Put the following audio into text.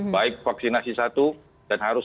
baik vaksinasi satu dan harus